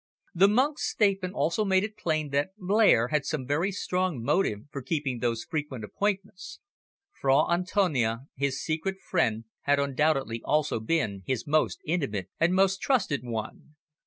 The monk's statement also made it plain that Blair had some very strong motive for keeping these frequent appointments. Fra Antonio, his secret friend, had undoubtedly also been his most intimate and most trusted one.